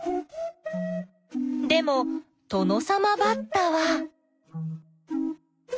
でもトノサマバッタは。